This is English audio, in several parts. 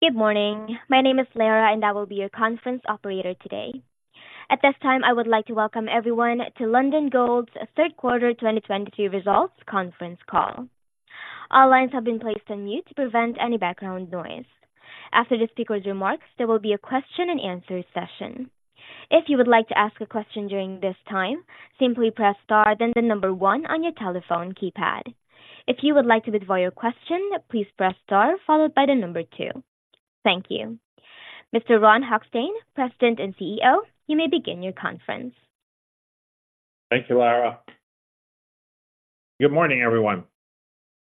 Good morning. My name is Lara, and I will be your conference operator today. At this time, I would like to welcome everyone to Lundin Gold's Third Quarter 2022 Results Conference Call. All lines have been placed on mute to prevent any background noise. After the speaker's remarks, there will be a question and answer session. If you would like to ask a question during this time, simply press star, then the number 1 on your telephone keypad. If you would like to withdraw your question, please press star followed by the number 2. Thank you. Mr. Ron Hochstein, President and CEO, you may begin your conference. Thank you, Lara. Good morning, everyone.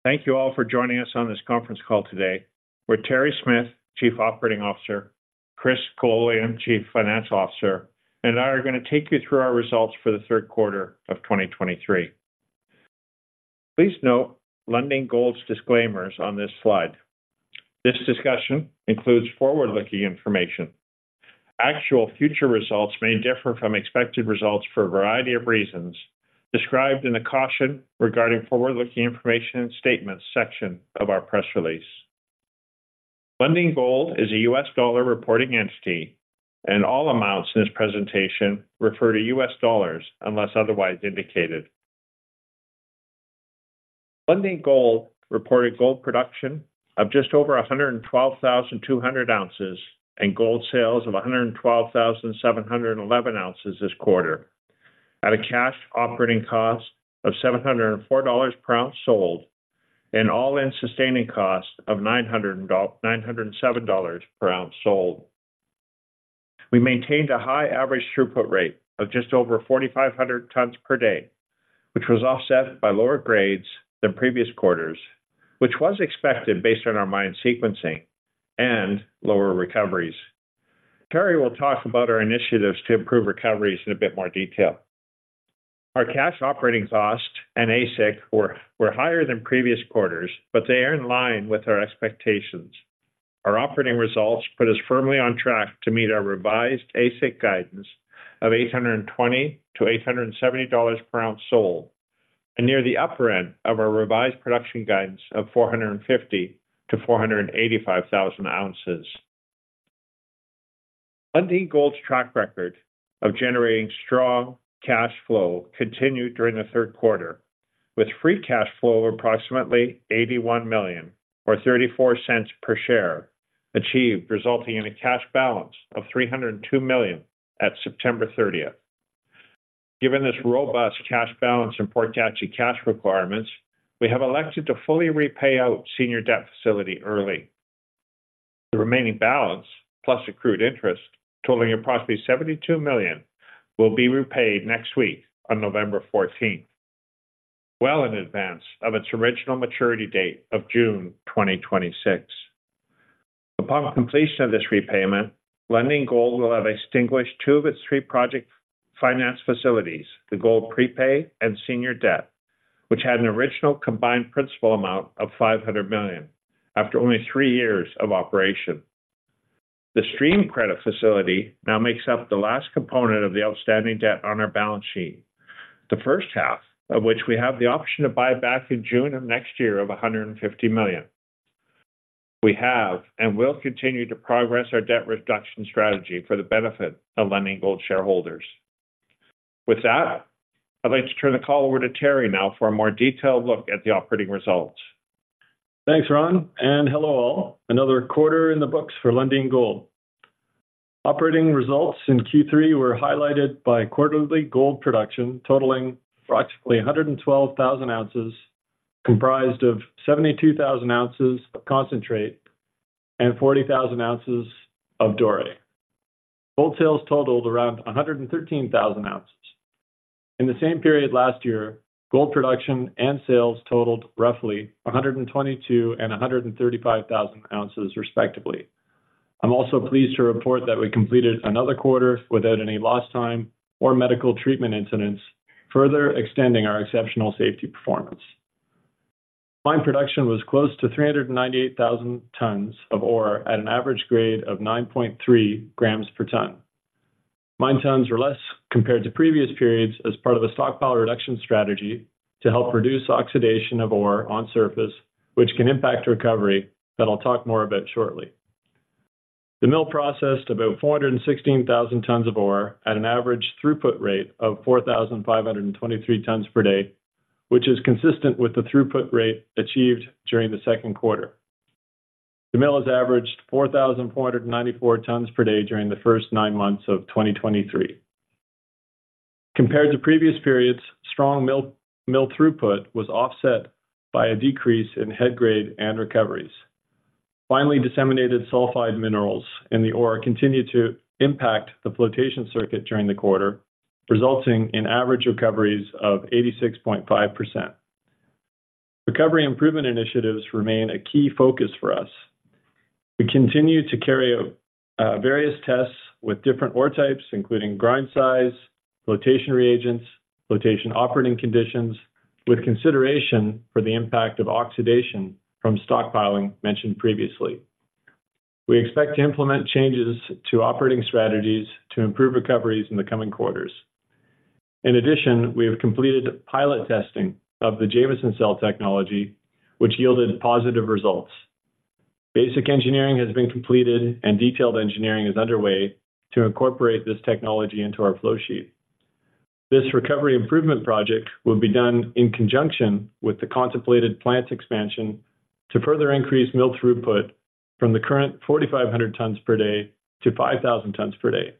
Thank you all for joining us on this conference call today, where Terry Smith, Chief Operating Officer, Chris Kololian, Chief Financial Officer, and I are going to take you through our results for the third quarter of 2023. Please note Lundin Gold's disclaimers on this slide. This discussion includes forward-looking information. Actual future results may differ from expected results for a variety of reasons described in the Caution Regarding Forward-Looking Information and Statements section of our press release. Lundin Gold is a US dollar reporting entity, and all amounts in this presentation refer to US dollars unless otherwise indicated. Lundin Gold reported gold production of just over 112,200 ounces, and gold sales of 112,711 ounces this quarter, at a cash operating cost of $704 per ounce sold and all-in sustaining cost of $907 per ounce sold. We maintained a high average throughput rate of just over 4,500 tons per day, which was offset by lower grades than previous quarters, which was expected based on our mine sequencing and lower recoveries. Terry will talk about our initiatives to improve recoveries in a bit more detail. Our cash operating costs and AISC were higher than previous quarters, but they are in line with our expectations. Our operating results put us firmly on track to meet our revised AISC guidance of $820-$870 per ounce sold, and near the upper end of our revised production guidance of 450,000-485,000 ounces. Lundin Gold's track record of generating strong cash flow continued during the third quarter, with free cash flow of approximately $81 million or $0.34 per share achieved, resulting in a cash balance of $302 million at September 30. Given this robust cash balance and low cash requirements, we have elected to fully repay our senior debt facility early. The remaining balance, plus accrued interest, totaling approximately $72 million, will be repaid next week on November 14, well in advance of its original maturity date of June 2026. Upon completion of this repayment, Lundin Gold will have extinguished two of its three project finance facilities, the Gold Prepay and senior debt, which had an original combined principal amount of $500 million after only three years of operation. The Stream Credit Facility now makes up the last component of the outstanding debt on our balance sheet, the first half of which we have the option to buy back in June of next year of $150 million. We have, and will continue to progress our debt reduction strategy for the benefit of Lundin Gold shareholders. With that, I'd like to turn the call over to Terry now for a more detailed look at the operating results. Thanks, Ron, and hello, all. Another quarter in the books for Lundin Gold. Operating results in Q3 were highlighted by quarterly gold production totaling approximately 112,000 ounces, comprised of 72,000 ounces of concentrate and 40,000 ounces of Doré. Gold sales totaled around 113,000 ounces. In the same period last year, gold production and sales totaled roughly 122,000 and 135,000 ounces, respectively. I'm also pleased to report that we completed another quarter without any lost time or medical treatment incidents, further extending our exceptional safety performance. Mine production was close to 398,000 tons of ore at an average grade of 9.3 grams per ton. Mine tons were less compared to previous periods as part of a stockpile reduction strategy to help reduce oxidation of ore on surface, which can impact recovery, that I'll talk more about shortly. The mill processed about 416,000 tons of ore at an average throughput rate of 4,523 tons per day, which is consistent with the throughput rate achieved during the second quarter. The mill has averaged 4,494 tons per day during the first nine months of 2023. Compared to previous periods, strong mill throughput was offset by a decrease in head grade and recoveries. Finely disseminated sulfide minerals in the ore continued to impact the flotation circuit during the quarter, resulting in average recoveries of 86.5%. Recovery improvement initiatives remain a key focus for us. We continue to carry out various tests with different ore types, including grind size, flotation reagents, flotation operating conditions, with consideration for the impact of oxidation from stockpiling mentioned previously. We expect to implement changes to operating strategies to improve recoveries in the coming quarters. In addition, we have completed pilot testing of the Jameson Cell technology, which yielded positive results. Basic engineering has been completed, and detailed engineering is underway to incorporate this technology into our flow sheet. This recovery improvement project will be done in conjunction with the contemplated plant expansion to further increase mill throughput from the current 4,500 tons per day to 5,000 tons per day.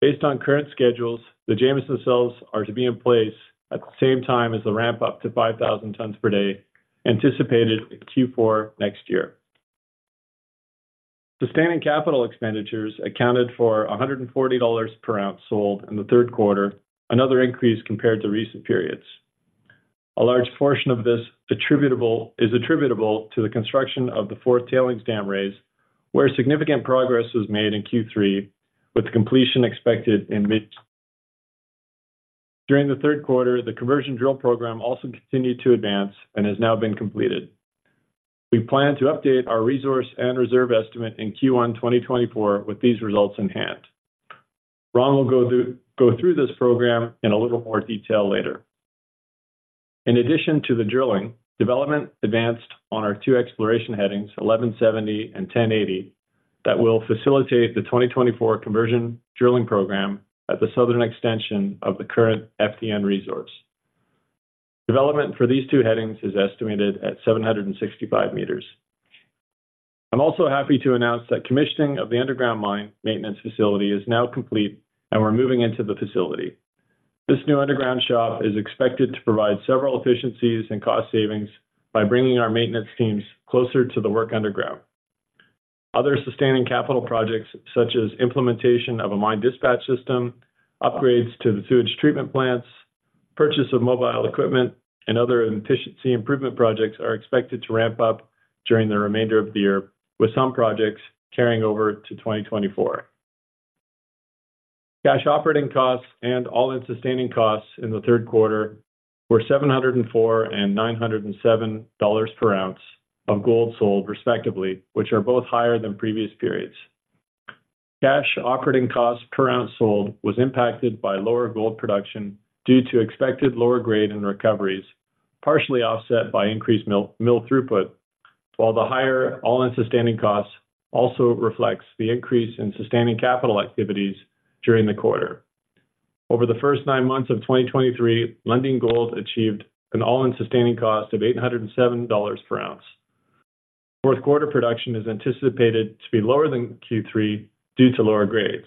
Based on current schedules, the Jameson cells are to be in place at the same time as the ramp-up to 5,000 tons per day, anticipated in Q4 next year. Sustaining capital expenditures accounted for $140 per ounce sold in the third quarter, another increase compared to recent periods. A large portion of this is attributable to the construction of the fourth tailings dam raise, where significant progress was made in Q3, with completion expected in mid-. During the third quarter, the conversion drill program also continued to advance and has now been completed. We plan to update our resource and reserve estimate in Q1 2024 with these results in hand. Ron will go through this program in a little more detail later. In addition to the drilling, development advanced on our two exploration headings, 1170 and 1080, that will facilitate the 2024 conversion drilling program at the southern extension of the current FDN resource. Development for these two headings is estimated at 765 meters. I'm also happy to announce that commissioning of the underground mine maintenance facility is now complete, and we're moving into the facility. This new underground shop is expected to provide several efficiencies and cost savings by bringing our maintenance teams closer to the work underground. Other sustaining capital projects, such as implementation of a mine dispatch system, upgrades to the sewage treatment plants, purchase of mobile equipment, and other efficiency improvement projects, are expected to ramp up during the remainder of the year, with some projects carrying over to 2024. Cash operating costs and all-in sustaining costs in the third quarter were $704 and $907 per ounce of gold sold, respectively, which are both higher than previous periods. Cash operating costs per ounce sold was impacted by lower gold production due to expected lower grade and recoveries, partially offset by increased mill throughput, while the higher all-in sustaining costs also reflects the increase in sustaining capital activities during the quarter. Over the first nine months of 2023, Lundin Gold achieved an all-in sustaining cost of $807 per ounce. Fourth quarter production is anticipated to be lower than Q3 due to lower grades.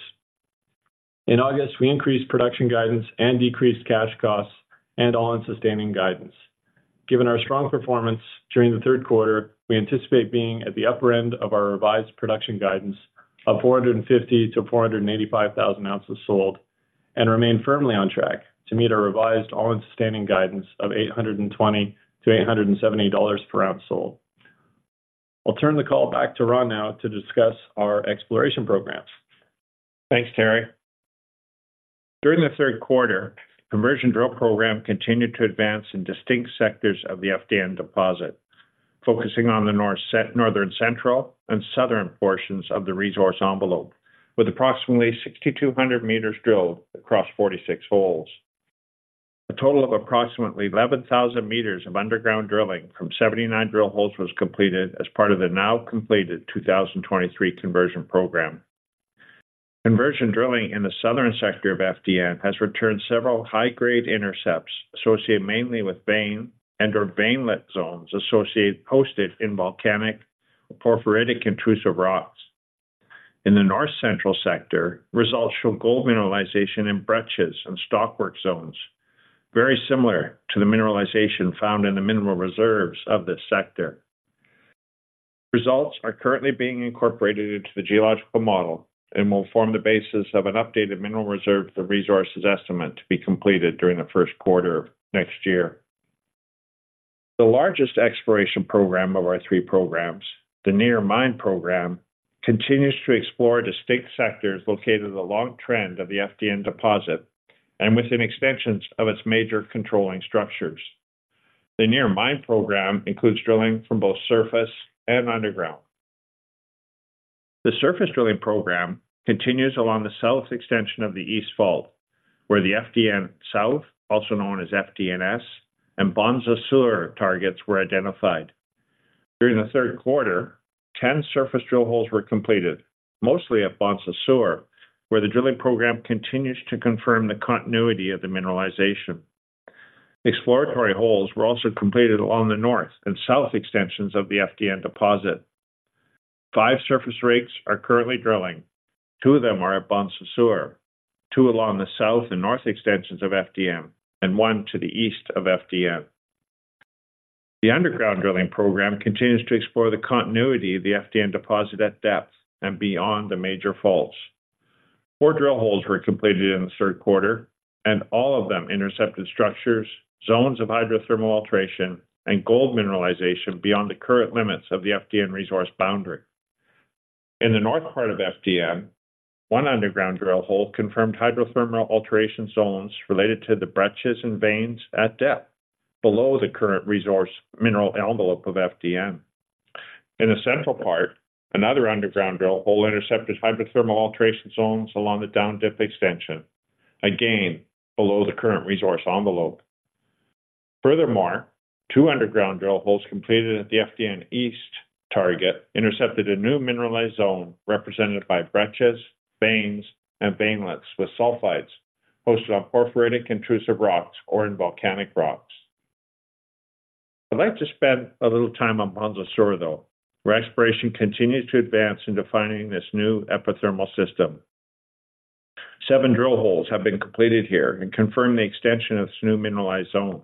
In August, we increased production guidance and decreased cash costs and all-in sustaining guidance. Given our strong performance during the third quarter, we anticipate being at the upper end of our revised production guidance of 450,000-485,000 ounces sold, and remain firmly on track to meet our revised all-in sustaining guidance of $820-$870 per ounce sold. I'll turn the call back to Ron now to discuss our exploration programs. Thanks, Terry. During the third quarter, conversion drill program continued to advance in distinct sectors of the FDN deposit, focusing on the Northern, Central, and Southern portions of the resource envelope, with approximately 6,200 meters drilled across 46 holes. A total of approximately 11,000 meters of underground drilling from 79 drill holes was completed as part of the now completed 2023 conversion program. Conversion drilling in the southern sector of FDN has returned several high-grade intercepts, associated mainly with vein and/or veinlet zones associated, hosted in volcanic porphyritic intrusive rocks. In the North Central sector, results show gold mineralization in breccias and stockwork zones, very similar to the mineralization found in the mineral reserves of this sector. Results are currently being incorporated into the geological model and will form the basis of an updated mineral reserve, the resources estimate, to be completed during the first quarter of next year. The largest exploration program of our three programs, the Near Mine Program, continues to explore distinct sectors located in the long trend of the FDN deposit and within extensions of its major controlling structures. The Near Mine Program includes drilling from both surface and underground. The surface drilling program continues along the south extension of the East Fault, where the FDN South, also known as FDN S, and Bonza Sur targets were identified. During the third quarter, 10 surface drill holes were completed, mostly at Bonza Sur, where the drilling program continues to confirm the continuity of the mineralization. Exploratory holes were also completed along the north and south extensions of the FDN deposit. Five surface rigs are currently drilling. Two of them are at Bonza Sur, two along the south and north extensions of FDN, and one to the east of FDN. The underground drilling program continues to explore the continuity of the FDN deposit at depth and beyond the major faults. Four drill holes were completed in the third quarter, and all of them intercepted structures, zones of hydrothermal alteration, and gold mineralization beyond the current limits of the FDN resource boundary. In the north part of FDN, one underground drill hole confirmed hydrothermal alteration zones related to the breccias and veins at depth below the current resource mineral envelope of FDN.... In the central part, another underground drill hole intercepted hydrothermal alteration zones along the down-dip extension, again, below the current resource envelope. Furthermore, 2 underground drill holes completed at the FDN East target intercepted a new mineralized zone represented by breccias, veins, and veinlets with sulfides hosted on porphyritic intrusive rocks or in volcanic rocks. I'd like to spend a little time on Bonza Sur, though, where exploration continues to advance in defining this new epithermal system. 7 drill holes have been completed here and confirmed the extension of this new mineralized zone.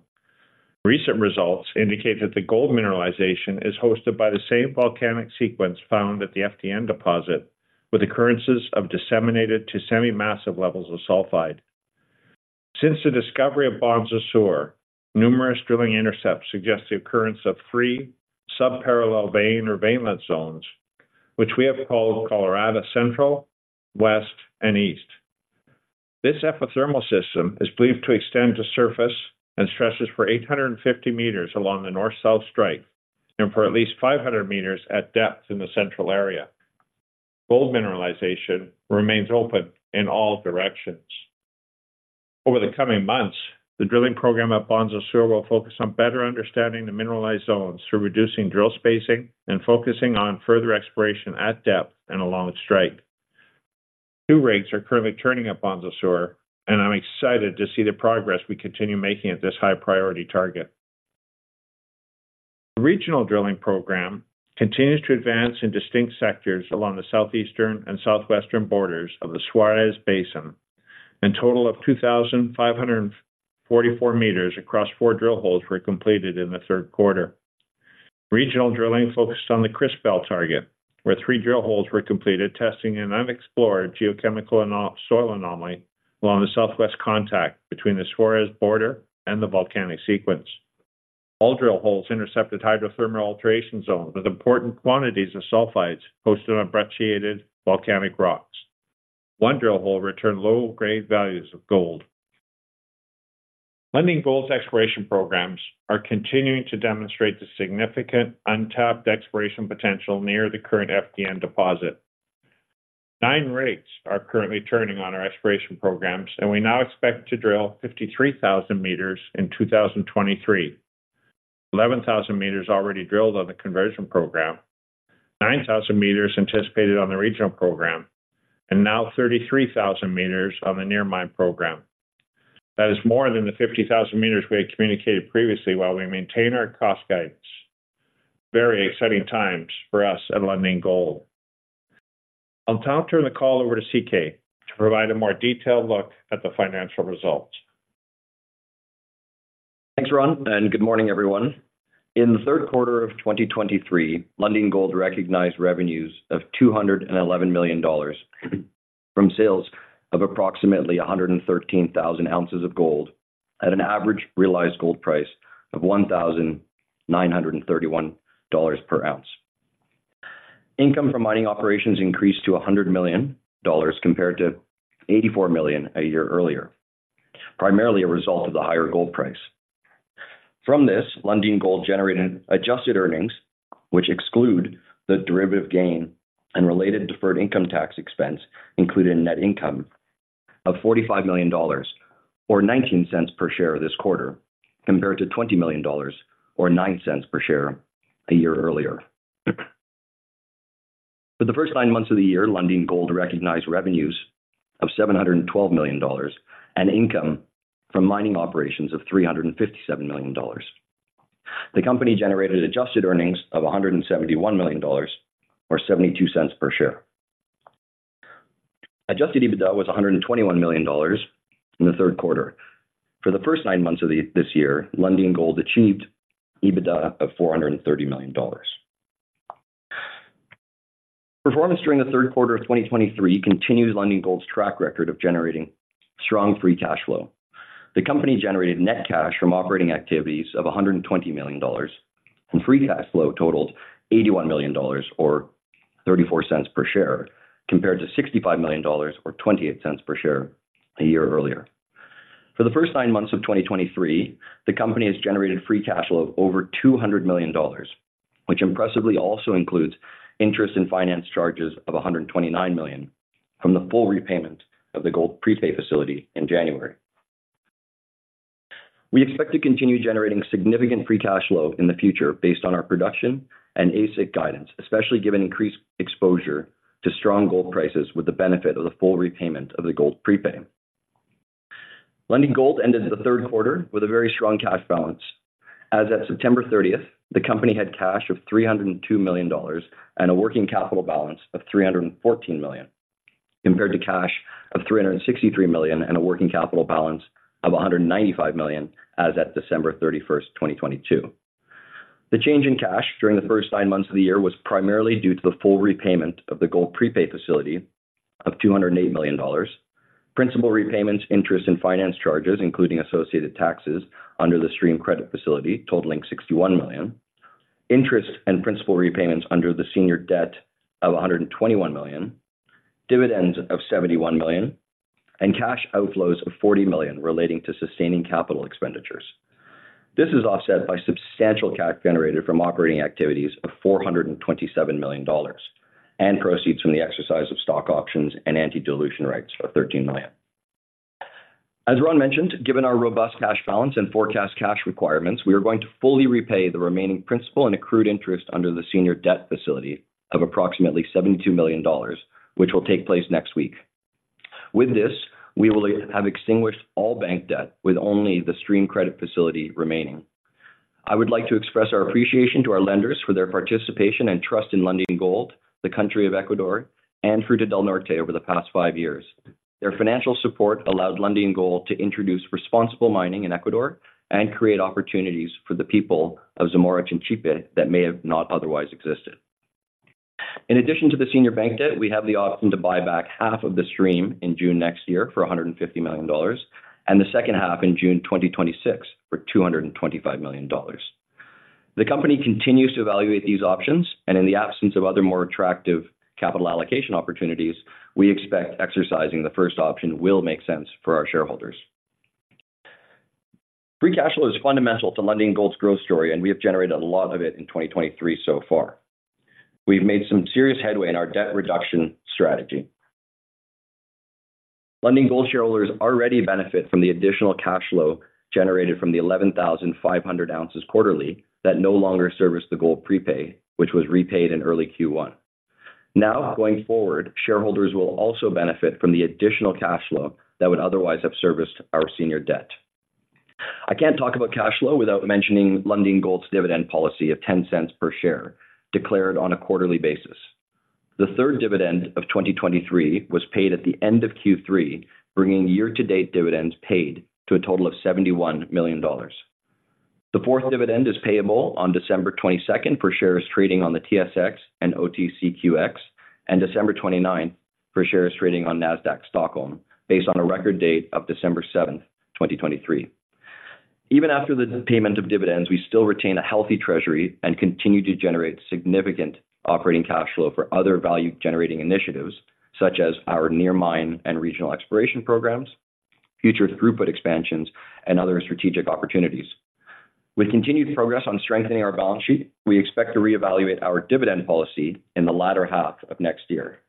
Recent results indicate that the gold mineralization is hosted by the same volcanic sequence found at the FDN deposit, with occurrences of disseminated to semi-massive levels of sulfide. Since the discovery of Bonza Sur, numerous drilling intercepts suggest the occurrence of 3 sub-parallel vein or veinlet zones, which we have called Colorado Central, West, and East. This epithermal system is believed to extend to surface and stretches for 850 meters along the north-south strike, and for at least 500 meters at depth in the central area. Gold mineralization remains open in all directions. Over the coming months, the drilling program at Bonza Sur will focus on better understanding the mineralized zones through reducing drill spacing and focusing on further exploration at depth and along strike. Two rigs are currently turning at Bonza Sur, and I'm excited to see the progress we continue making at this high-priority target. The regional drilling program continues to advance in distinct sectors along the southeastern and southwestern borders of the Suarez Basin. In total of 2,544 meters across four drill holes were completed in the third quarter. Regional drilling focused on the Crispell target, where 3 drill holes were completed, testing an unexplored geochemical and soil anomaly along the southwest contact between the Suarez Basin and the volcanic sequence. All drill holes intercepted hydrothermal alteration zones with important quantities of sulfides hosted on brecciated volcanic rocks. One drill hole returned low-grade values of gold. Lundin Gold's exploration programs are continuing to demonstrate the significant untapped exploration potential near the current FDN deposit. Nine rigs are currently turning on our exploration programs, and we now expect to drill 53,000 meters in 2023. 11,000 meters already drilled on the conversion program, 9,000 meters anticipated on the regional program, and now 33,000 meters on the Near Mine Program. That is more than the 50,000 meters we had communicated previously, while we maintain our cost guidance. Very exciting times for us at Lundin Gold. I'll now turn the call over to CK to provide a more detailed look at the financial results. Thanks, Ron, and good morning, everyone. In the third quarter of 2023, Lundin Gold recognized revenues of $211 million from sales of approximately 113,000 ounces of gold at an average realized gold price of $1,931 per ounce. Income from mining operations increased to $100 million compared to $84 million a year earlier, primarily a result of the higher gold price. From this, Lundin Gold generated adjusted earnings, which exclude the derivative gain and related deferred income tax expense, including net income of $45 million or $0.19 per share this quarter, compared to $20 million or $0.09 per share a year earlier. For the first nine months of this year, Lundin Gold recognized revenues of $712 million, and income from mining operations of $357 million. The company generated adjusted earnings of $171 million or $0.72 per share. Adjusted EBITDA was $121 million in the third quarter. For the first nine months of this year, Lundin Gold achieved EBITDA of $430 million. Performance during the third quarter of 2023 continues Lundin Gold's track record of generating strong free cash flow. The company generated net cash from operating activities of $120 million, and free cash flow totaled $81 million or $0.34 per share, compared to $65 million or $0.28 per share a year earlier. For the first nine months of 2023, the company has generated free cash flow of over $200 million, which impressively also includes interest and finance charges of $129 million from the full repayment of the Gold Prepay facility in January. We expect to continue generating significant free cash flow in the future based on our production and AISC guidance, especially given increased exposure to strong gold prices with the benefit of the full repayment of the Gold Prepay. Lundin Gold ended the third quarter with a very strong cash balance. As at September 30, the company had cash of $302 million and a working capital balance of $314 million, compared to cash of $363 million and a working capital balance of $195 million as at December 31, 2022. The change in cash during the first nine months of the year was primarily due to the full repayment of the Gold Prepay facility of $208 million, principal repayments, interest, and finance charges, including associated taxes under the Stream Credit Facility totaling $61 million, interest and principal repayments under the Senior Debt of $121 million, dividends of $71 million and cash outflows of $40 million relating to sustaining capital expenditures. This is offset by substantial cash generated from operating activities of $427 million, and proceeds from the exercise of stock options and anti-dilution rights of $13 million. As Ron mentioned, given our robust cash balance and forecast cash requirements, we are going to fully repay the remaining principal and accrued interest under the Senior Debt Facility of approximately $72 million, which will take place next week. With this, we will have extinguished all bank debt, with only the stream credit facility remaining. I would like to express our appreciation to our lenders for their participation and trust in Lundin Gold, the country of Ecuador, and Fruta del Norte over the past five years. Their financial support allowed Lundin Gold to introduce responsible mining in Ecuador and create opportunities for the people of Zamora-Chinchipe that may have not otherwise existed. In addition to the senior bank debt, we have the option to buy back half of the stream in June next year for $150 million, and the second half in June 2026 for $225 million. The company continues to evaluate these options, and in the absence of other more attractive capital allocation opportunities, we expect exercising the first option will make sense for our shareholders. Free cash flow is fundamental to Lundin Gold's growth story, and we have generated a lot of it in 2023 so far. We've made some serious headway in our debt reduction strategy. Lundin Gold shareholders already benefit from the additional cash flow generated from the 11,500 ounces quarterly that no longer service the gold prepay, which was repaid in early Q1. Now, going forward, shareholders will also benefit from the additional cash flow that would otherwise have serviced our senior debt. I can't talk about cash flow without mentioning Lundin Gold's dividend policy of $0.10 per share, declared on a quarterly basis. The third dividend of 2023 was paid at the end of Q3, bringing year-to-date dividends paid to a total of $71 million. The fourth dividend is payable on December 22nd for shares trading on the TSX and OTCQX, and December 29th for shares trading on Nasdaq Stockholm, based on a record date of December 7th, 2023. Even after the payment of dividends, we still retain a healthy treasury and continue to generate significant operating cash flow for other value-generating initiatives, such as our near mine and regional exploration programs, future throughput expansions, and other strategic opportunities. With continued progress on strengthening our balance sheet, we expect to reevaluate our dividend policy in the latter half of next year.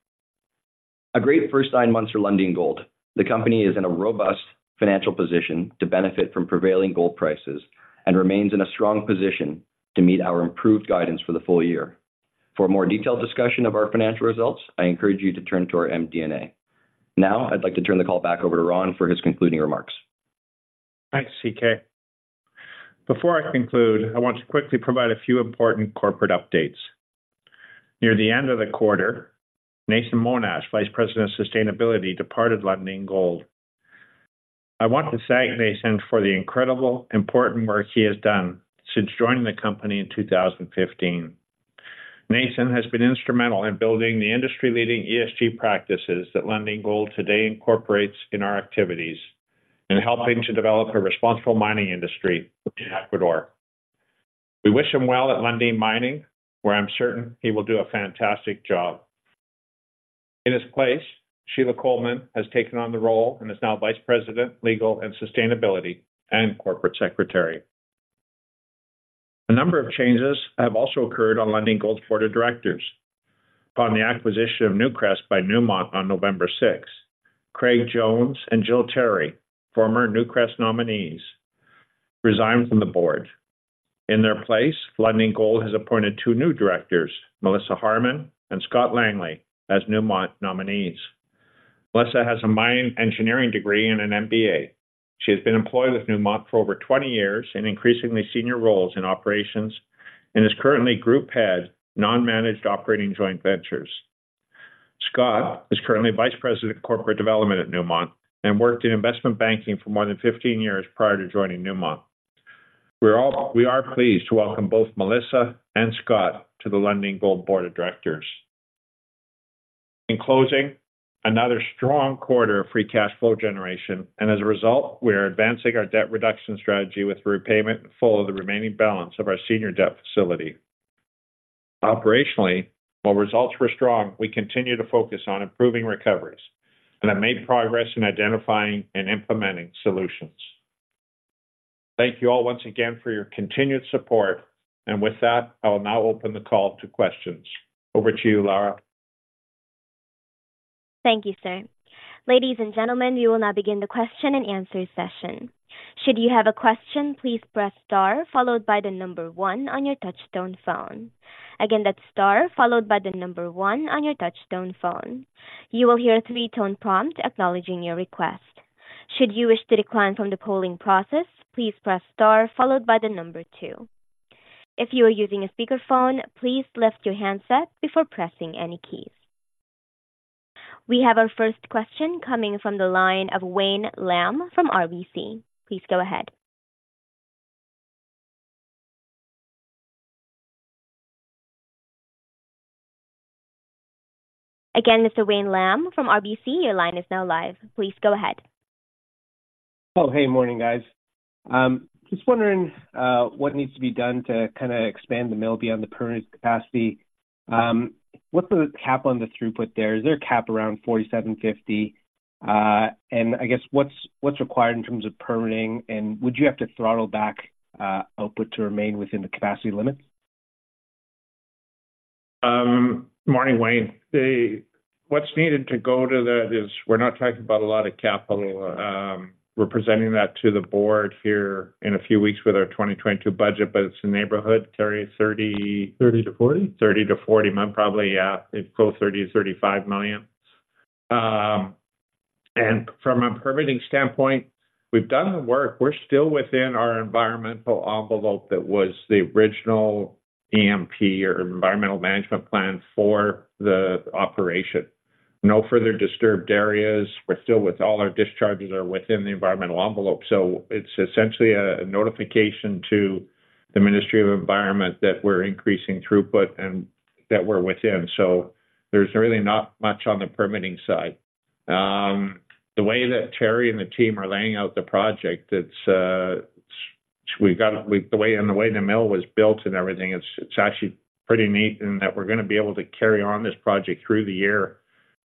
A great first nine months for Lundin Gold. The company is in a robust financial position to benefit from prevailing gold prices and remains in a strong position to meet our improved guidance for the full year. For a more detailed discussion of our financial results, I encourage you to turn to our MD&A. Now, I'd like to turn the call back over to Ron for his concluding remarks. Thanks, CK. Before I conclude, I want to quickly provide a few important corporate updates. Near the end of the quarter, Nathan Monash, Vice President of Sustainability, departed Lundin Gold. I want to thank Nathan for the incredible, important work he has done since joining the company in 2015. Nathan has been instrumental in building the industry-leading ESG practices that Lundin Gold today incorporates in our activities and helping to develop a responsible mining industry in Ecuador. We wish him well at Lundin Mining, where I'm certain he will do a fantastic job. In his place, Sheila Colman has taken on the role and is now Vice President, Legal and Sustainability and Corporate Secretary. A number of changes have also occurred on Lundin Gold's board of directors. Upon the acquisition of Newcrest by Newmont on November 6th, Craig Jones and Jill Terry, former Newcrest nominees, resigned from the board. In their place, Lundin Gold has appointed 2 new directors, Melissa Harmon and Scott Langley, as Newmont nominees. Melissa has a mining engineering degree and an MBA. She has been employed with Newmont for over 20 years in increasingly senior roles in operations and is currently Group Head, Non-Managed Operating Joint Ventures. Scott is currently Vice President of Corporate Development at Newmont and worked in investment banking for more than 15 years prior to joining Newmont. We are pleased to welcome both Melissa and Scott to the Lundin Gold board of directors. In closing, another strong quarter of free cash flow generation, and as a result, we are advancing our debt reduction strategy with repayment in full of the remaining balance of our senior debt facility. Operationally, while results were strong, we continue to focus on improving recoveries and have made progress in identifying and implementing solutions. Thank you all once again for your continued support, and with that, I will now open the call to questions. Over to you, Lara. Thank you, sir. Ladies and gentlemen, we will now begin the question and answer session. Should you have a question, please press star followed by the number one on your touchtone phone. Again, that's star followed by the number one on your touchtone phone. You will hear a three-tone prompt acknowledging your request. Should you wish to decline from the polling process, please press star followed by the number two. If you are using a speakerphone, please lift your handset before pressing any keys. We have our first question coming from the line of Wayne Lam from RBC. Please go ahead. Again, this is Wayne Lam from RBC. Your line is now live. Please go ahead.... Oh, hey, morning, guys. Just wondering what needs to be done to kinda expand the mill beyond the current capacity? What's the cap on the throughput there? Is there a cap around 4,750? And I guess, what's required in terms of permitting, and would you have to throttle back output to remain within the capacity limits? Morning, Wayne. What's needed to go to that is we're not talking about a lot of capital. We're presenting that to the board here in a few weeks with our 2022 budget, but it's in the neighborhood, thirty, thirty- 30-40. 30-40, but probably, yeah, it's close to $30-$35 million. And from a permitting standpoint, we've done the work. We're still within our environmental envelope that was the original EMP or Environmental Management Plan for the operation. No further disturbed areas. We're still with all our discharges are within the environmental envelope, so it's essentially a notification to the Ministry of Environment that we're increasing throughput and that we're within. So there's really not much on the permitting side. The way that Terry and the team are laying out the project, it's, we've got the way the mill was built and everything, it's actually pretty neat in that we're gonna be able to carry on this project through the year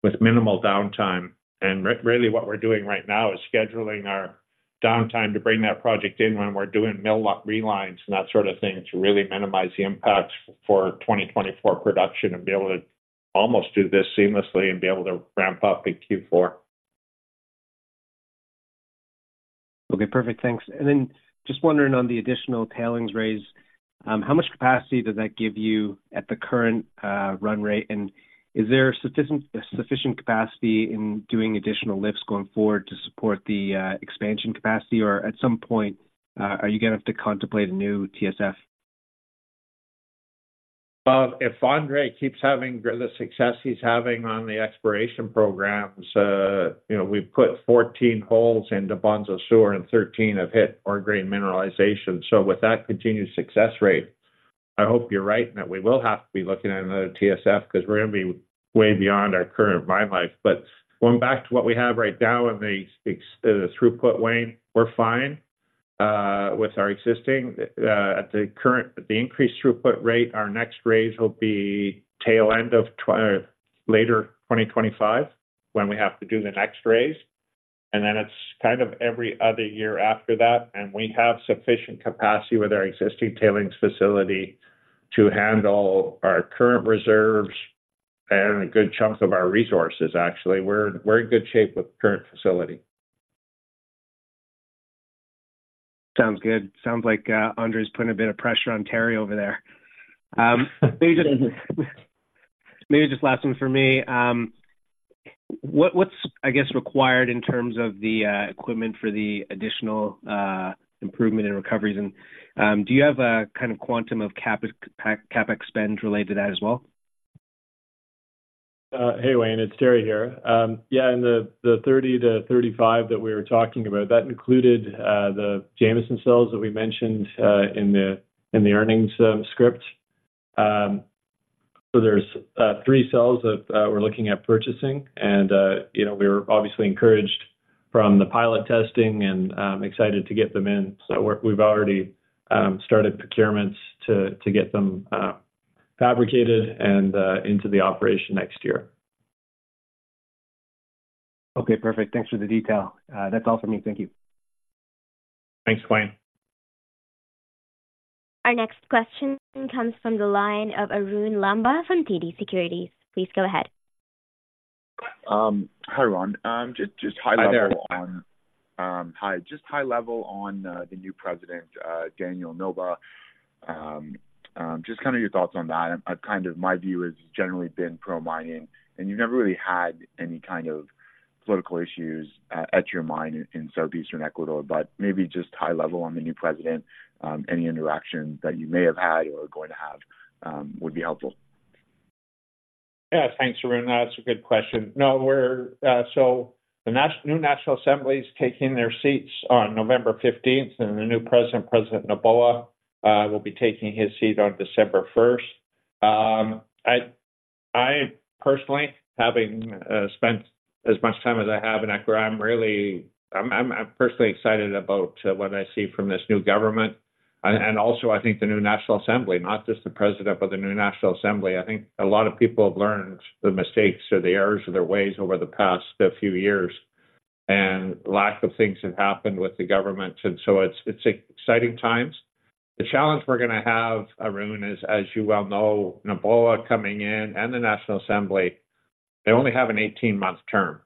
with minimal downtime. Really what we're doing right now is scheduling our downtime to bring that project in when we're doing mill relines and that sort of thing, to really minimize the impact for 2024 production and be able to almost do this seamlessly and be able to ramp up in Q4. Okay, perfect. Thanks. And then just wondering on the additional tailings raise, how much capacity does that give you at the current run rate? And is there sufficient, sufficient capacity in doing additional lifts going forward to support the expansion capacity, or at some point, are you gonna have to contemplate a new TSF? Well, if Andre keeps having the success he's having on the exploration programs, you know, we've put 14 holes into Bonza Sur and 13 have hit our grade mineralization. So with that continued success rate, I hope you're right, and that we will have to be looking at another TSF because we're gonna be way beyond our current mine life. But going back to what we have right now in the throughput, Wayne, we're fine with our existing at the current. With the increased throughput rate, our next raise will be tail end of later 2025, when we have to do the next raise, and then it's kind of every other year after that. And we have sufficient capacity with our existing tailings facility to handle our current reserves and a good chunk of our resources, actually. We're in good shape with the current facility. Sounds good. Sounds like Andre's putting a bit of pressure on Terry over there. Maybe just, maybe just last one for me. What's, I guess, required in terms of the equipment for the additional improvement in recoveries, and do you have a kind of quantum of CapEx, CapEx spend related to that as well? Hey, Wayne, it's Terry here. Yeah, and the 30-35 that we were talking about, that included the Jameson cells that we mentioned in the earnings script. So there's three cells that we're looking at purchasing, and you know, we're obviously encouraged from the pilot testing and excited to get them in. So we're, we've already started procurements to get them fabricated and into the operation next year. Okay, perfect. Thanks for the detail. That's all for me. Thank you. Thanks, Wayne. Our next question comes from the line of Arun Lamba from TD Securities. Please go ahead. Hi, Ron. Just high level on- Hi there. Hi. Just high level on the new president, Daniel Noboa. Just kind of your thoughts on that. My view has generally been pro-mining, and you've never really had any kind of political issues at your mine in southeastern Ecuador, but maybe just high level on the new president, any interaction that you may have had or are going to have, would be helpful. Yeah. Thanks, Arun. That's a good question. No, we're... So the National, new National Assembly is taking their seats on November fifteenth, and the new president, President Noboa, will be taking his seat on December 1st. I personally, having spent as much time as I have in Ecuador, I'm really personally excited about what I see from this new government, and also I think the new National Assembly, not just the president, but the new National Assembly. I think a lot of people have learned the mistakes or the errors of their ways over the past few years, and lots of things have happened with the government, and so it's exciting times. The challenge we're gonna have, Arun, is, as you well know, Noboa coming in, and the National Assembly, they only have an 18-month term,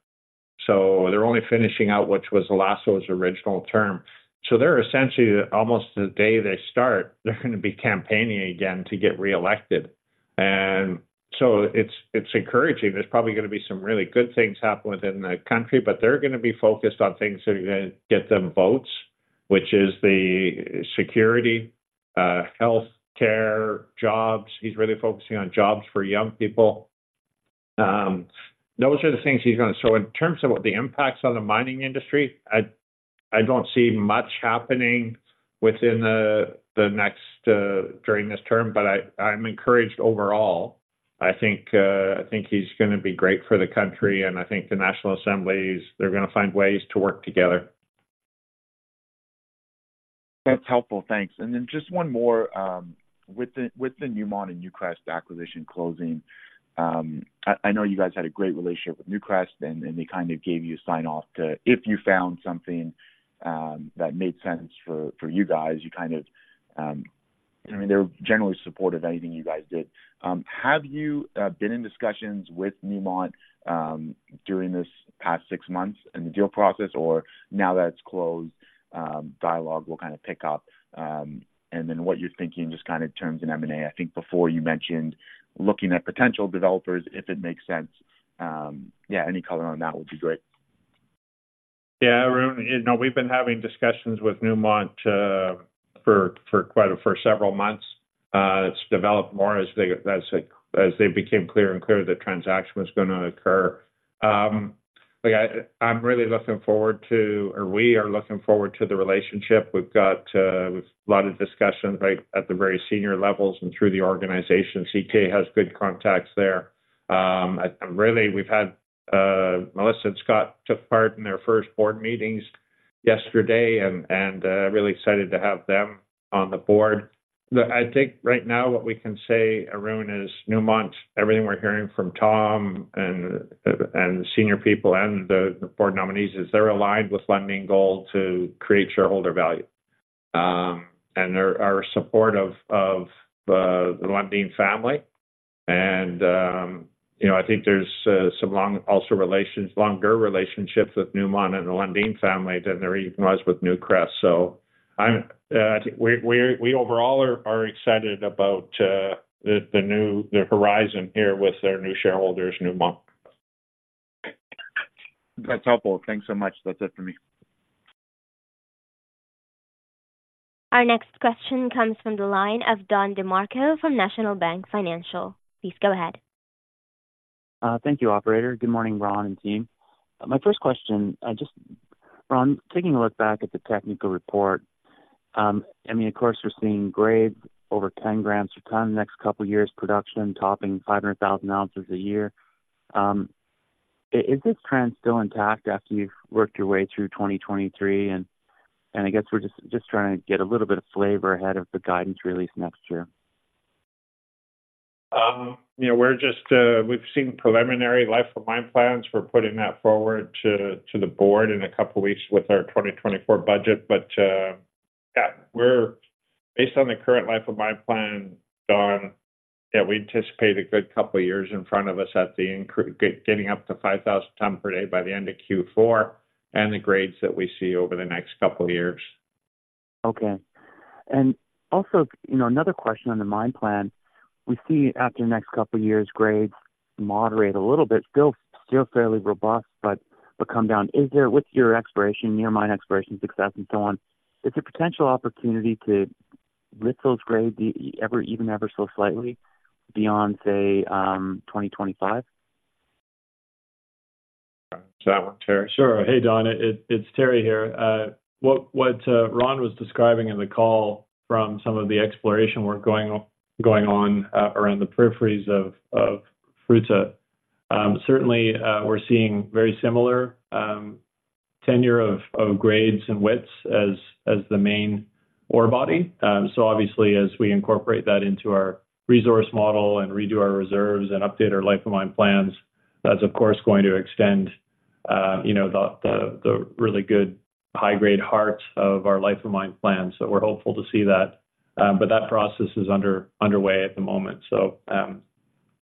so they're only finishing out, which was Lasso's original term. So they're essentially, almost the day they start, they're gonna be campaigning again to get reelected. And so it's, it's encouraging. There's probably gonna be some really good things happen within the country, but they're gonna be focused on things that are gonna get them votes, which is the security, health care, jobs. He's really focusing on jobs for young people. Those are the things he's gonna... So in terms of what the impacts on the mining industry, I, I don't see much happening within the, the next, during this term, but I, I'm encouraged overall. I think, I think he's gonna be great for the country, and I think the National Assemblies, they're gonna find ways to work together. That's helpful. Thanks. And then just one more, with the Newmont-Newcrest acquisition closing, I know you guys had a great relationship with Newcrest, and they kind of gave you a sign-off to, if you found something that made sense for you guys, you kind of, I mean, they're generally supportive of anything you guys did. Have you been in discussions with Newmont during this past six months in the deal process, or now that it's closed, dialogue will kind of pick up, and then what you're thinking, just kind of terms in M&A? I think before you mentioned looking at potential developers, if it makes sense. Yeah, any color on that would be great. Yeah, Arun, you know, we've been having discussions with Newmont for several months. It's developed more as they became clear the transaction was gonna occur. Like, I'm really looking forward to, or we are looking forward to the relationship. We've got a lot of discussions right at the very senior levels and through the organization. CK has good contacts there. And really, we've had Melissa and Scott took part in their first board meetings yesterday and really excited to have them on the board. I think right now, what we can say, Arun, is Newmont, everything we're hearing from Tom and the senior people and the board nominees, is they're aligned with Lundin Gold's goal to create shareholder value. They are supportive of the Lundin family, and you know, I think there's some longer relationships with Newmont and the Lundin family than there even was with Newcrest. So I think we overall are excited about the new horizon here with our new shareholders, Newmont. That's helpful. Thanks so much. That's it for me. Our next question comes from the line of Don DeMarco from National Bank Financial. Please go ahead. Thank you, operator. Good morning, Ron and team. My first question, just Ron, taking a look back at the technical report, I mean, of course, we're seeing grades over 10 grams per ton the next couple of years, production topping 500,000 ounces a year. Is this trend still intact after you've worked your way through 2023? And I guess we're just trying to get a little bit of flavor ahead of the guidance release next year. You know, we're just, we've seen preliminary life of mine plans. We're putting that forward to the board in a couple of weeks with our 2024 budget. But, yeah, we're based on the current life of mine plan, Don, yeah, we anticipate a good couple of years in front of us getting up to 5,000 tons per day by the end of Q4 and the grades that we see over the next couple of years. Okay. Also, you know, another question on the mine plan. We see after the next couple of years, grades moderate a little bit, still fairly robust, but come down. Is there, with your exploration, near mine exploration success and so on, is there potential opportunity to lift those grades ever, even ever so slightly beyond, say, 2025? That one, Terry? Sure. Hey, Don, it's Terry here. What Ron was describing in the call from some of the exploration work going on around the peripheries of Fruta. Certainly, we're seeing very similar tenure of grades and widths as the main ore body. So obviously, as we incorporate that into our resource model and redo our reserves and update our life of mine plans, that's, of course, going to extend, you know, the really good high-grade heart of our life of mine plans. So we're hopeful to see that, but that process is underway at the moment. So,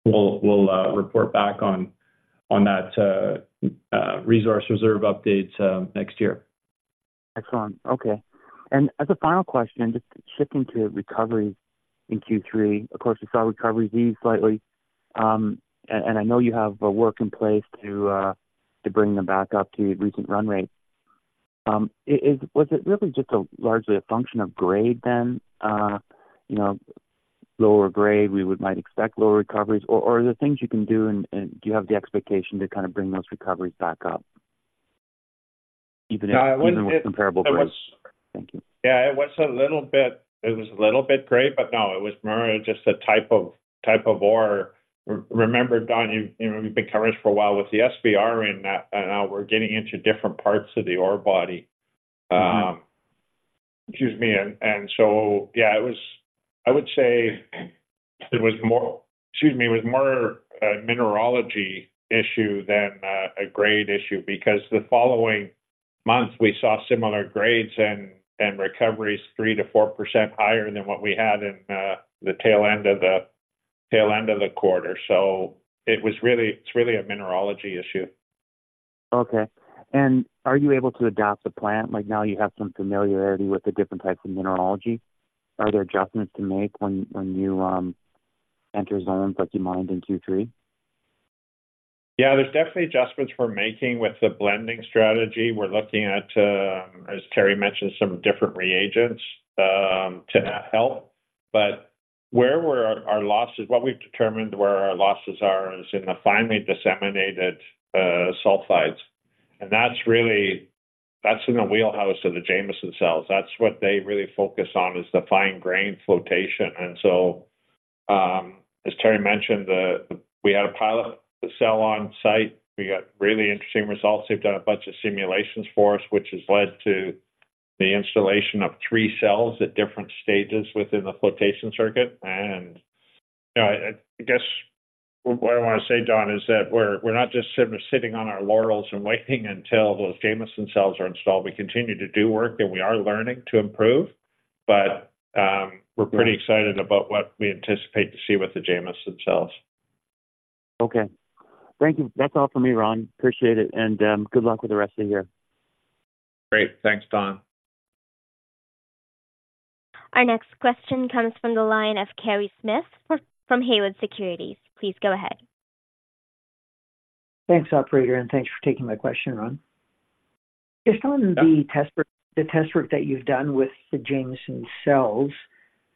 we'll report back on that resource reserve updates next year. Excellent. Okay. And as a final question, just shifting to recovery in Q3. Of course, we saw recovery dip slightly, and I know you have work in place to bring them back up to recent run rate. Was it really just largely a function of grade then? You know, lower grade, we might expect lower recoveries, or are there things you can do, and do you have the expectation to kind of bring those recoveries back up, even if- No, it was- comparable? Thank you. Yeah, it was a little bit grade, but no, it was more just a type of ore. Remember, Don, you know, we've been covering this for a while with the SBR and that, and now we're getting into different parts of the ore body. Excuse me. And so, yeah, it was... I would say it was more, excuse me, a mineralogy issue than a grade issue because the following month, we saw similar grades and recoveries 3%-4% higher than what we had in the tail end of the quarter. So it was really, it's really a mineralogy issue. Okay. Are you able to adapt the plant? Like, now you have some familiarity with the different types of mineralogy. Are there adjustments to make when you enter zones like you mined in Q3? Yeah, there's definitely adjustments we're making with the blending strategy. We're looking at, as Terry mentioned, some different reagents to help, but where our losses are. What we've determined where our losses are is in the finely disseminated sulfides. And that's really in the wheelhouse of the Jameson cells. That's what they really focus on, is the fine grain flotation. And so, as Terry mentioned, we had a pilot cell on site. We got really interesting results. They've done a bunch of simulations for us, which has led to the installation of 3 cells at different stages within the flotation circuit. And, you know, I guess what I want to say, John, is that we're not just sitting on our laurels and waiting until those Jameson cells are installed. We continue to do work, and we are learning to improve, but, we're pretty excited about what we anticipate to see with the Jameson cells. Okay. Thank you. That's all for me, Ron. Appreciate it, and good luck with the rest of the year. Great. Thanks, Jon. Our next question comes from the line of Kerry Smith from Haywood Securities. Please go ahead. Thanks, operator, and thanks for taking my question, Ron. Just on the test work, the test work that you've done with the Jameson cells,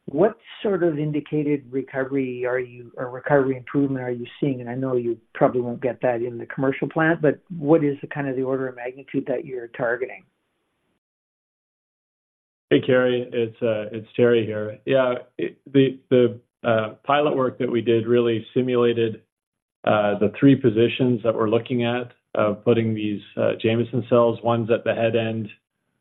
what sort of indicated recovery are you, or recovery improvement are you seeing? And I know you probably won't get that in the commercial plant, but what is the kind of the order of magnitude that you're targeting? Hey, Kerry, it's Terry here. Yeah, the pilot work that we did really simulated the three positions that we're looking at of putting these Jameson cells. One's at the head end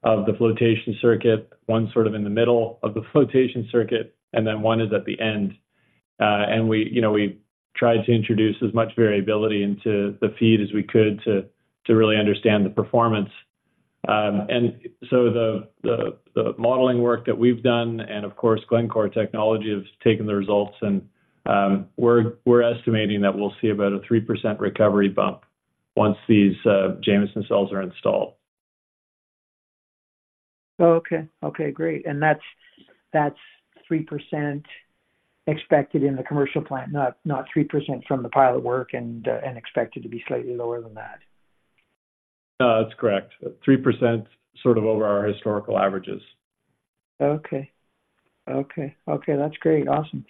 of the flotation circuit, one's sort of in the middle of the flotation circuit, and then one is at the end. And we, you know, we tried to introduce as much variability into the feed as we could to really understand the performance. And so the modeling work that we've done, and of course, Glencore Technology, have taken the results and we're estimating that we'll see about a 3% recovery bump once these Jameson cells are installed. Okay, okay, great. That's, that's 3% expected in the commercial plant, not, not 3% from the pilot work and, and expected to be slightly lower than that? No, that's correct. 3% sort of over our historical averages. Okay. Okay, okay, that's great. Awesome.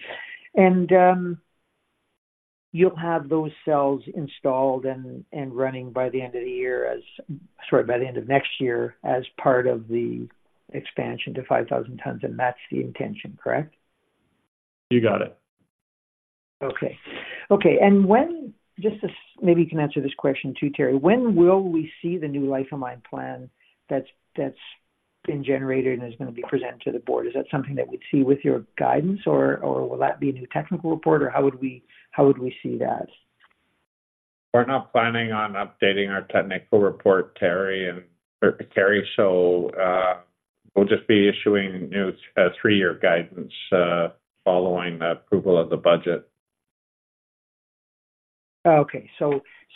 And you'll have those cells installed and running by the end of the year as, sorry, by the end of next year, as part of the expansion to 5,000 tons, and that's the intention, correct? You got it. Okay. Okay, and when... Just to, maybe you can answer this question too, Terry. When will we see the new life of mine plan that's, that's been generated and is going to be presented to the board? Is that something that we'd see with your guidance, or, or will that be a new technical report, or how would we, how would we see that? We're not planning on updating our technical report, Terry and, Terry, so, we'll just be issuing new, three-year guidance, following the approval of the budget. Okay, so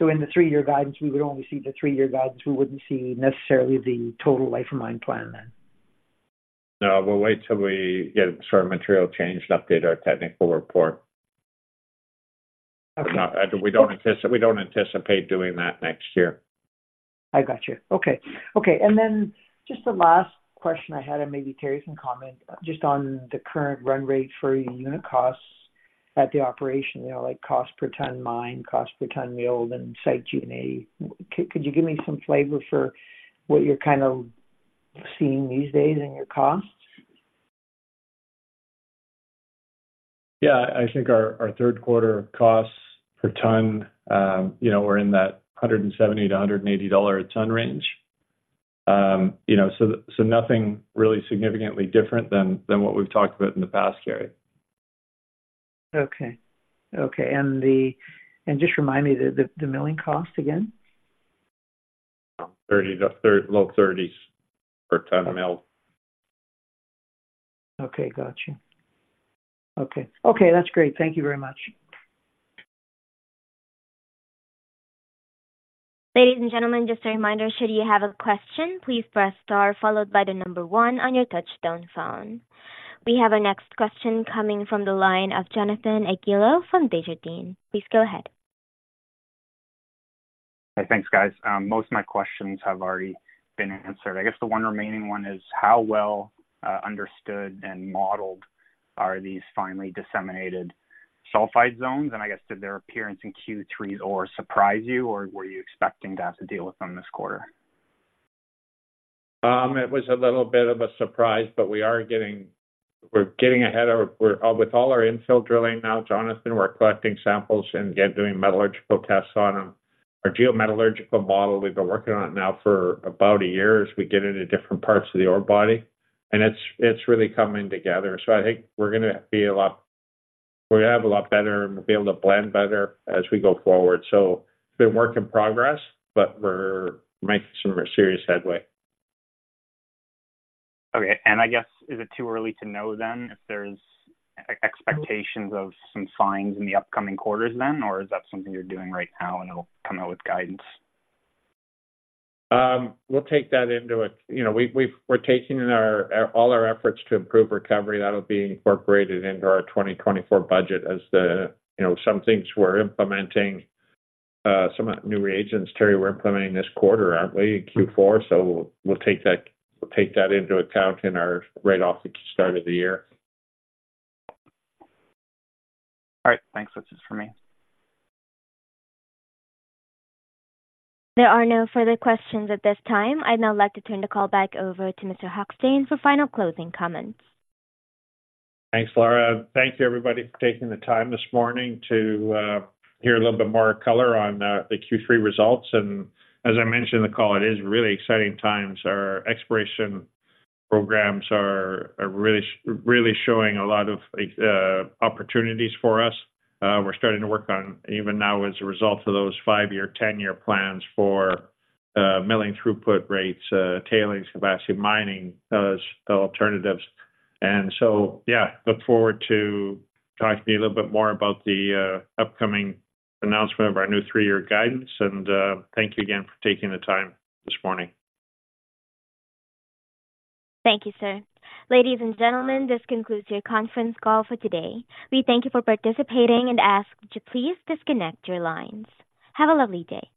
in the three-year guidance, we would only see the three-year guidance. We wouldn't see necessarily the total life of mine plan then? No, we'll wait till we get sort of material changed to update our technical report. Okay. We don't anticipate doing that next year. I got you. Okay. Okay, and then just the last question I had, and maybe Terry can comment, just on the current run rate for your unit costs at the operation. You know, like, cost per ton mine, cost per ton milled, and site G&A. Could you give me some flavor for what you're kind of seeing these days in your costs? Yeah, I think our third quarter costs per ton, you know, we're in that $170-$180 a ton range. You know, so nothing really significantly different than what we've talked about in the past, Kerry. Okay, and just remind me the milling cost again. 30, low 30s per ton of milled. Okay. Got you. Okay. Okay, that's great. Thank you very much. Ladies and gentlemen, just a reminder, should you have a question, please press star followed by the number one on your touchtone phone. We have our next question coming from the line of Jonathan Egilo from Desjardins. Please go ahead. Hey, thanks, guys. Most of my questions have already been answered. I guess the one remaining one is, how well understood and modeled are these finely disseminated sulfide zones? And I guess, did their appearance in Q3 or surprise you, or were you expecting to have to deal with them this quarter? It was a little bit of a surprise, but we're getting ahead of... With all our infill drilling now, Jonathan, we're collecting samples and again, doing metallurgical tests on them. Our geometallurgical model, we've been working on it now for about a year as we get into different parts of the ore body, and it's really coming together. So I think we're gonna be a lot better, and we'll be able to blend better as we go forward. So it's been a work in progress, but we're making some serious headway. Okay. And I guess, is it too early to know then, if there's expectations of some signs in the upcoming quarters then, or is that something you're doing right now, and it'll come out with guidance? We'll take that into it. You know, we're taking all our efforts to improve recovery. That'll be incorporated into our 2024 budget as the, you know, some things we're implementing, some new reagents. Terry, we're implementing this quarter, aren't we, in Q4? So we'll take that, we'll take that into account in our, right off the start of the year. All right, thanks. That's it for me. There are no further questions at this time. I'd now like to turn the call back over to Mr. Hochstein for final closing comments. Thanks, Laura. Thank you, everybody, for taking the time this morning to hear a little bit more color on the Q3 results. And as I mentioned, the call it is really exciting times. Our exploration programs are really, really showing a lot of opportunities for us. We're starting to work on even now as a result of those five-year, ten-year plans for milling throughput rates, tailings capacity mining alternatives. And so, yeah, look forward to talking to you a little bit more about the upcoming announcement of our new three-year guidance. And thank you again for taking the time this morning. Thank you, sir. Ladies and gentlemen, this concludes your conference call for today. We thank you for participating and ask that you please disconnect your lines. Have a lovely day.